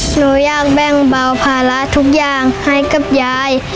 หนูอยากแบ่งเบาภาระทุกอย่างให้กับยาย